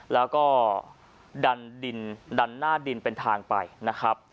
แล้วก็ดันดินดันหน้าดินเป็นทางไปนะครับ